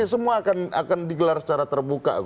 nanti semua akan digelar secara terbuka pak